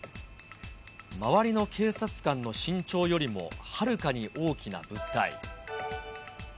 周りの警察官の身長よりもはるかに大きな物体。